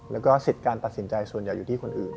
แล้วก็สิทธิ์การตัดสินใจส่วนใหญ่อยู่ที่คนอื่น